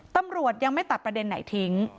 ตำรวจยังไม่ตัดประเด็นไหนทิ้ง